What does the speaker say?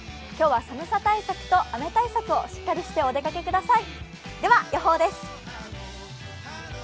寒さ対策と雨対策をしっかりしてお出かけください。